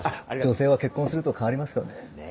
女性は結婚すると変わりますよね。ね。